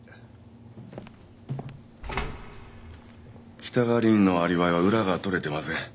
北川凛のアリバイは裏が取れてません。